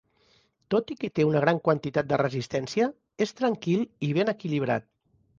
Tot i que té una gran quantitat de resistència, és tranquil i ben equilibrat.